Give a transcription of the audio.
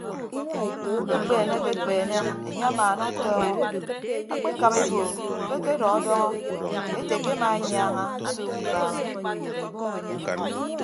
Ikpeeneke enye amaanatọọñọ akpekap ebo ke akedọdọñọ ete ke ema enyaaña nsuuk ibaaha.